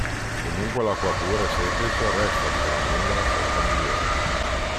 Comunque l'acqua pura e semplice resta di gran lunga la scelta migliore.